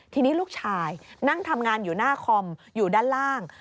ทีนี้ลูกชายนั่งทำงานอยู่หน้าคอมอยู่ด้านล่าง